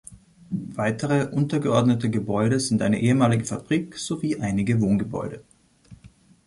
Weitere untergeordnete Gebäude sind eine ehemalige Fabrik sowie einige Wohngebäude.